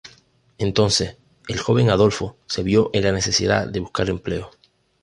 Entonces, el joven Adolfo se vio en la necesidad de buscar empleo.